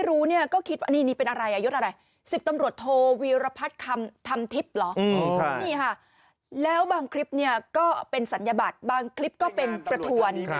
คือถ้าเกิดว่าคนไม่รู้